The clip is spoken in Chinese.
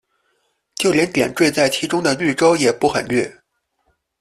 就连点缀在其中的绿洲也不很绿。